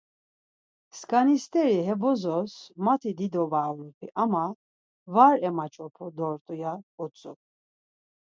Skani steri he bozos mati dido baoropi ama var emaç̌opu dort̆u ya utzu.